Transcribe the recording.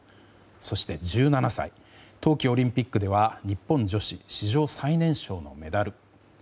そして１７歳冬季オリンピックでは日本女子史上最年少のメダル。